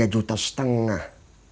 tiga juta setengah